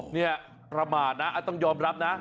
เนี่ยประมาทนะต้องยอมรับนะ